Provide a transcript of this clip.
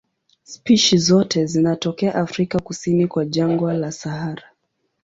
Spishi zote zinatokea Afrika kusini kwa jangwa la Sahara.